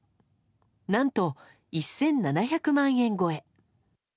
何と１７００万円超え。